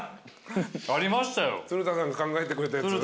鶴田さんが考えてくれたやつ？